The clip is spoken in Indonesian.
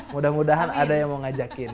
mudah mudahan ada yang mau ngajakin